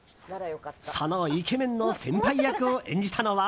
そのイケメンの先輩役を演じたのは。